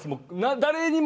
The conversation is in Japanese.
誰にも。